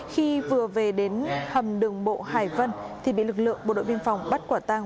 khi vừa về đến hầm đường bộ hải vân thì bị lực lượng bộ đội biên phòng bắt quả tang